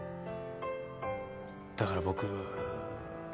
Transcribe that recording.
だから僕。